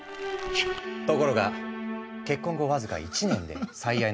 ところが結婚後僅か１年で最愛の妻が他界。